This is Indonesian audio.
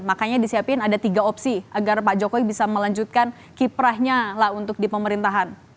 makanya disiapin ada tiga opsi agar pak jokowi bisa melanjutkan kiprahnya lah untuk di pemerintahan